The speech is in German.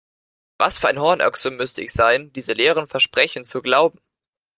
Was für ein Hornochse müsste ich sein, diese leeren Versprechen zu glauben!